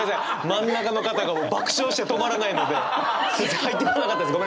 真ん中の方が爆笑して止まらないので全然入ってこなかったです